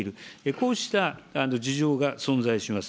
こうした事情が存在します。